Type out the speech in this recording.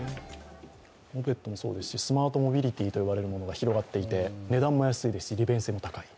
モペットもそうですし、スマートモビリティーというものが広がっていて値段も安いですし利便性も高い。